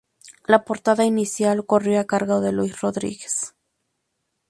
La portada inicial corrió a cargo de Luis Rodríguez.